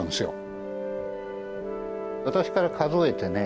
私から数えてね